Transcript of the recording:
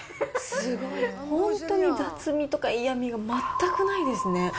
すごい、本当に雑味とか嫌みが全くないですね。